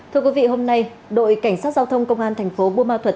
thưa quý vị hôm nay đội cảnh sát giao thông công an thành phố buôn ma thuật